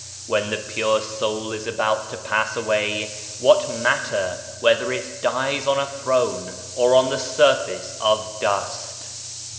"When the pure soul is about to pass away, what matter whether it dies on a throne, or on the surface of dust?"